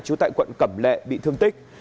trú tại quận cẩm lệ bị thương tích